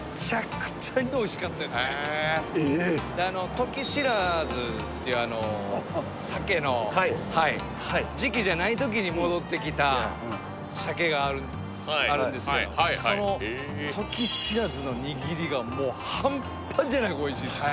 えっトキシラズっていう鮭の時期じゃない時に戻ってきた鮭があるんですけどそのトキシラズの握りがもう半端じゃなくおいしいんですよ